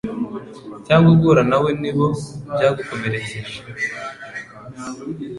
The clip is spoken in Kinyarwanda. cyangwa guhura nawe nibo byagukomerekeje